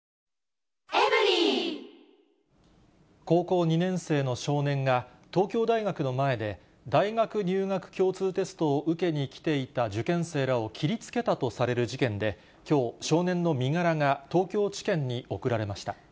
高校２年生の少年が、東京大学の前で、大学入学共通テストを受けに来ていた受験生らを切りつけたとされる事件で、きょう、少年の身柄が東京地検に送られました。